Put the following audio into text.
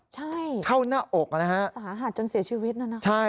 ใช่สาหัสจนเสียชีวิตแล้วนะครับใช่